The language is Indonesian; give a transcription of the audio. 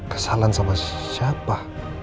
kesalahan sama siapa